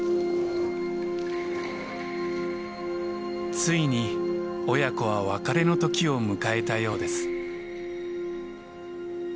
ついに親子は別れの時を迎えたようです。